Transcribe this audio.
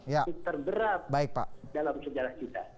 itu terberat dalam sejarah kita